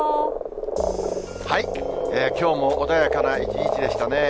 きょうも穏やかな一日でしたね。